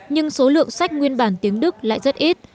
nhưng số lượng sách nguyên bản tiếng đức lại rất ít